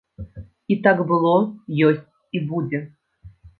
І так было, ёсць і будзе.